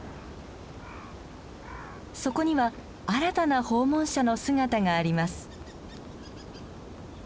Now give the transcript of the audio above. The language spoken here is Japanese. そこには新たな訪問者の姿があります。